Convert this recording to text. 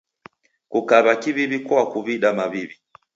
Kukaw'a kiw'iw'i kuakuw'ida maw'iw'i.